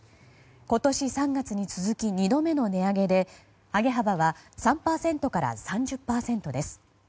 今年３月に続き２度目の値上げで上げ幅は３％から３０％です。